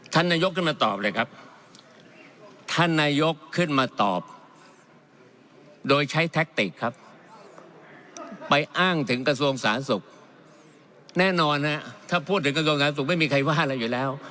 ท่านนายกขึ้นมาตอบเลยครับท่านนายกขึ้นมาตอบโดยใช้แท็กติกครับไปอ้างถึงกระทรวงสาธารณสุขแน่นอนฮะถ้าพูดถึงกระทรวงการสุขไม่มีใครว่าอะไรอยู่แล้ว